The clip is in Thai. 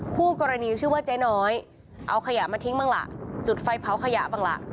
คู่กรณีชื่อว่าเจ๊น้อยเอาขยะมาทิ้งบ้างล่ะจุดไฟเผาขยะบ้างล่ะ